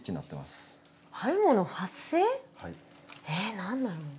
え何だろう？